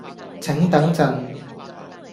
請等陣